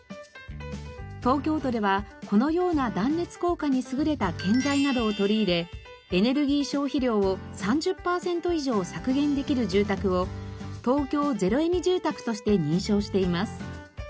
東京都ではこのような断熱効果に優れた建材などを取り入れエネルギー消費量を３０パーセント以上削減できる住宅を「東京ゼロエミ住宅」として認証しています。